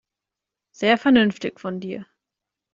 Sehr vernünftig von dir.